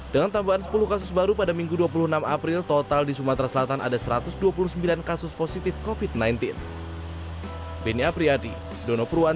dengan tambahan sepuluh kasus baru pada minggu dua puluh enam april total di sumatera selatan ada satu ratus dua puluh sembilan kasus positif covid sembilan belas